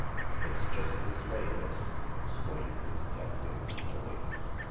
It's just this way, miss,*' explained the detec tive, easily.